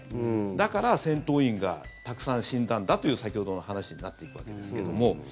だから戦闘員がたくさん死んだんだという先ほどの話になっていくわけですけども。